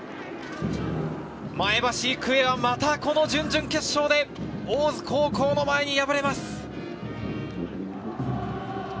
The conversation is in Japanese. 前橋育英はまた、この準々決勝で大津高校の前に敗れます。